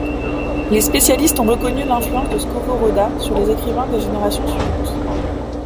Les spécialistes ont reconnu l'influence de Skovoroda sur les écrivains des générations suivantes.